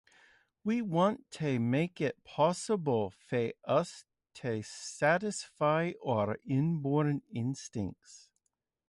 We want to make it possible for us to satisfy our inborn instincts.